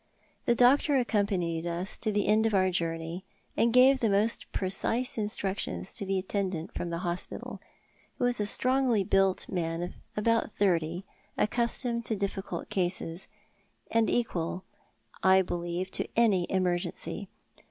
" The doctor accompanied us to the end of our journey, aud gave the most precise instructions to the attendant from the hospital, who is a strongly built man of about thirty, accustomed to difficult cases, and equal, I believe, to any emergency.